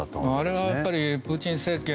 あれはプーチン政権